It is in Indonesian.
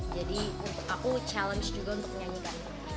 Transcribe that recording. jadi untuk aku challenge juga untuk menyanyikan